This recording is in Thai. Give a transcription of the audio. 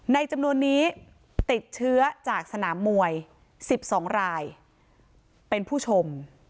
จำนวนนี้ติดเชื้อจากสนามมวย๑๒รายเป็นผู้ชม